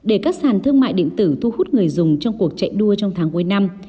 để các sàn thương mại điện tử thu hút người dùng trong cuộc chạy đua trong tháng cuối năm